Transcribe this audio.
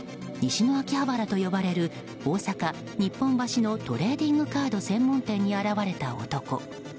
西の秋葉原と呼ばれる大阪・日本橋のトレーディングカード専門店に現れた男。